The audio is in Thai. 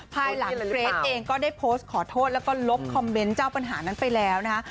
ภายหลังเกรทเองก็ได้โพสต์ขอโทษแล้วก็ลบคอมเมนต์เจ้าปัญหานั้นไปแล้วนะคะ